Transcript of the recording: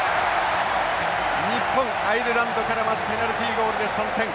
日本アイルランドからまずペナルティゴールで３点。